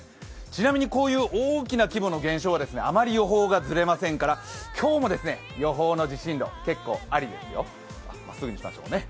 ちなみに、こういう大きな規模の現象はあまり予報がずれませんから今日も予報の自信度、結構ありですよ。